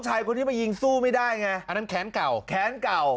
ชายคนนี้มายิงสู้ไม่ได้ไงอันนั้นแค้นเก่าแค้นเก่า